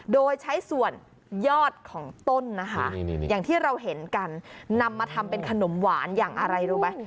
โดยใช้ส่วนยอดของต้นนะคะอย่างที่เราเห็นกันนำมาทำเป็นขนมหวานอย่างอะไรรู้ไหม